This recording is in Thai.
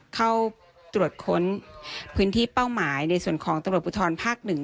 เข้าตรวจค้นพื้นที่เป้าหมายในส่วนของตำรวจภูทรภาค๑